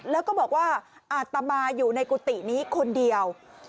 แล้วก็บอกว่าอาตมาอยู่ในกุฏินี้คนเดียว